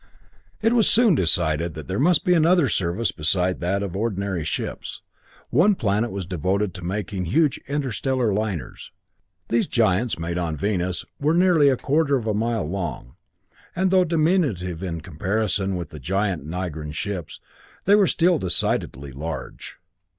It was soon decided that there must be another service beside that of the ordinary ships. One plant was devoted to making huge interstellar liners. These giants, made on Venus, were nearly a quarter of a mile long, and though diminutive in comparison with the giant Nigran ships, they were still decidedly large.